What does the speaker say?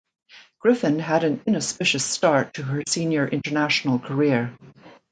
Griffin had an inauspicious start to her senior international career.